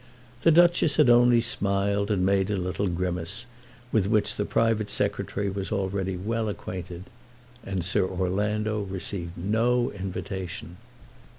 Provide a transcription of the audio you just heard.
The Duchess had only smiled and made a little grimace, with which the private secretary was already well acquainted. And Sir Orlando received no invitation.